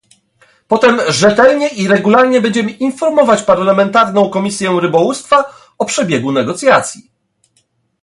Potem rzetelnie i regularnie będziemy informować parlamentarną Komisję Rybołówstwa o przebiegu negocjacji